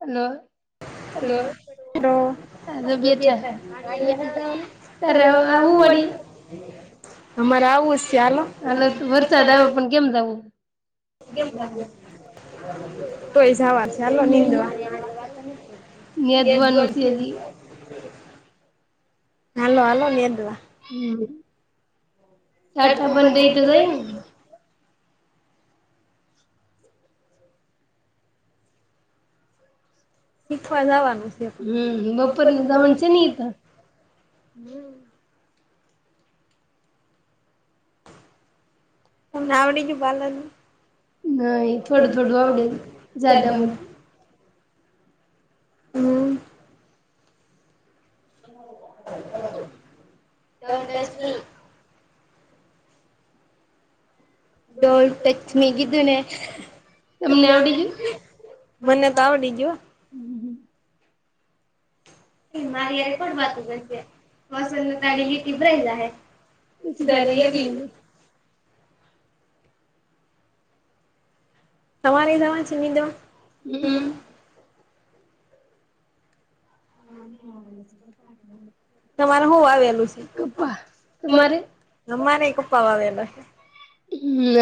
Hello hello hello [unintelligible] વાડીએ જવાનું. [unintelligible] અમારે આવુંજ સે હાલો. [inaudible] કેમ જવું? [inaudible] [unintelligible] હાલ હાલ ન એદવા. હમ સાટા બંધ થઈ તો જય ને. શીખવા જવાનું છે બપર ને જ છે નહ હમ. તમને આવડી ગયું પાર્લર નું હમ. [unintelligible] Don't touch me don't touch me કીધું ને. તમને આવડી ગયું કે મને તો આવડી ગયું. હમ. મારે ય કો વાતું છે પસંદાડી લીટી ભરાઈ જાય ખુછ જારે એગ લને. તમાવારે જવા છે હીધો. હા. તમારે? હ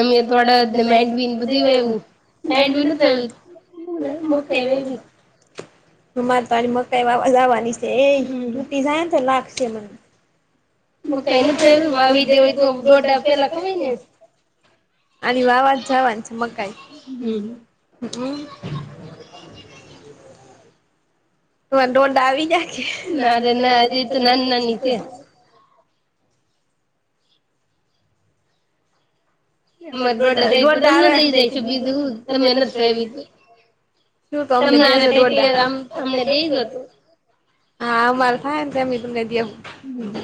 અમે થોડા ને મેડવીન બધુંવુંડવીન [unintelligible] અમારે તારી મકાઈ વાવાજવાની છે એ જૂટી જાય ને તો લાગશે મને. લે પેલા [unintelligible] અને લાવા જવાની છે મકાઈ. હુકુ હમ્મ. નારે ના ઈ તો નાની નાની છે. અમારે દોડા થાય તો તમને દઈ જાયશ બીધું તમે નથી થાય બી તમને અરે થાય તું યાર આમ અમને દે જ હતું. હમ્મ.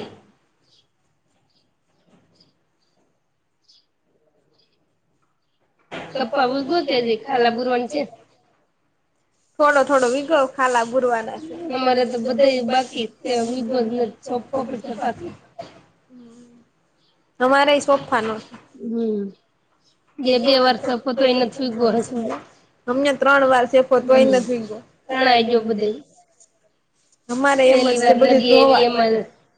તો આવું શું [unintelligible] થોડો થોડો વિગવ ખાલા ગુરવાના છે તમારે તો બધા બાકી ત્યા [inaudible] [unintelligible] અમારે સોખાનો. હમ્મ, બે બે વાર તો એને થઈ ગયો હા સુુંધ. હમ્મ, તણાઈ ગયો બધે. પેલી વાર નદી આવી એમાં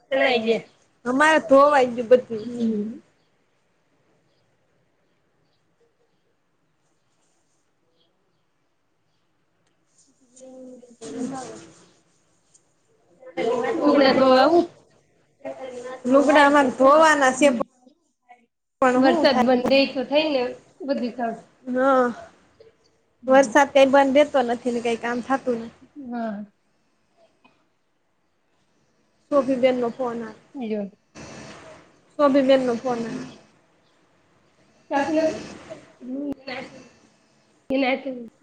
તણાઈ ગયા, હમ્મ. [inaudible] ટુકડા ધવા આવે? [inaudible] પણ હું થાતું [inaudible] હા. વરસાદ કઈ બંધ દેતો નથી ને કઈ કામ થતું નથી. હા. શોફી દનલો ફોન આવે. સભી મલનો ફોન આવે. ક્યા [unintelligible]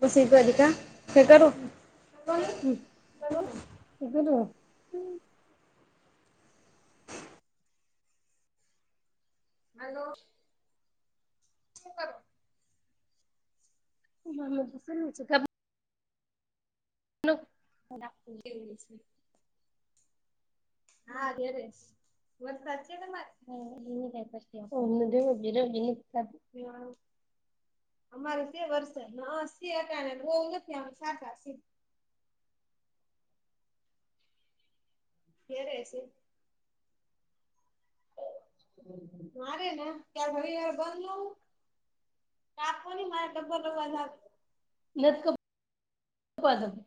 બસી [unintelligible] હાલો [unintelligible] હાલો. શું કરો? [unintelligible] [inaudible] આ ઘેરે જ. [unintelligible] [inaudible] અમારે સે વરસાદ [unintelligible] બોવ નથી આવે સાટા શે. ગેરેય સે. ના રે ના [unintelligible] આપોની માટે ડબ્બો લેવા જવું છે, એકજ [unintelligible]